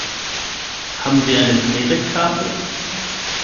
Haben Sie eine Payback-Karte?